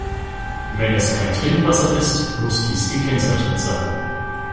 Wenn es kein Trinkwasser ist, muss dies gekennzeichnet sein.